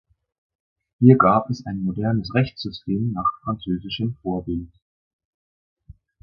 Hier gab es ein modernes Rechtssystem nach französischem Vorbild.